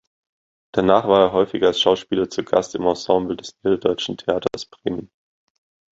Danach war er häufig als Schauspieler zu Gast im Ensemble des Niederdeutschen Theaters Bremen.